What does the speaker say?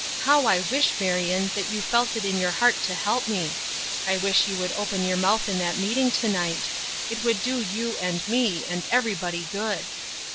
How I wish, Marion, that you felt it in your heart to help me. I wish you would open your mouth in that meeting to night. It would do you and me, and everybody good.